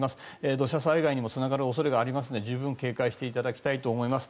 土砂災害につながる恐れがありますので十分に警戒していただきたいと思います。